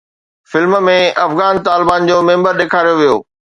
film ۾ افغان طالبان جو ميمبر ڏيکاريو ويو